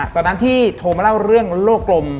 ตอนนั้นที่โทรมาเล่าเรื่องโลกลม